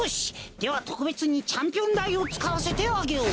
ではとくべつにチャンピオンだいをつかわせてあげよう。